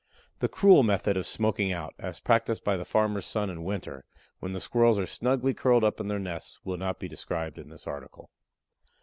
The cruel method of smoking out, as practiced by the farmers' sons in winter, when the Squirrels are snugly curled up in their nests will not be described in this article.